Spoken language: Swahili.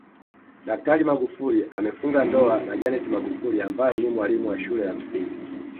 Daktari Magufuli amefunga ndoa na Janeth magufuli ambaye ni mwalimu wa shule ya msingi